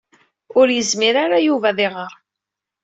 Ur yezmir ara Yuba ad iɣeṛ.